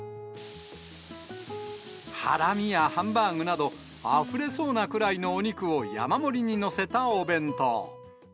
ハラミやハンバーグなど、あふれそうなくらいのお肉を山盛りに載せたお弁当。